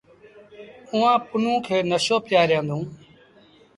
اُئآݩ پنهون کي نشو پيٚآريآندون۔